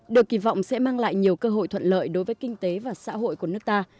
được kỳ vọng sẽ mang lại nhiều cơ hội thuận lợi đối với kinh tế và xã hội của nước ta